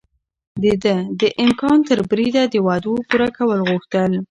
ده د امکان تر بريده د وعدو پوره کول غوښتل.